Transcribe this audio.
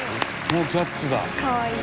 「もうキャッツだ」